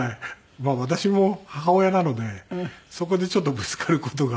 まあ私も母親なのでそこでちょっとぶつかる事が。